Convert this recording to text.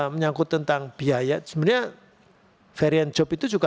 menyangkut tentang biaya sebenarnya varian job itu juga